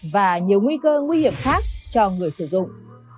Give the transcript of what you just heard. và nhiều nguy cơ nguy hiểm khác cho người sử dụng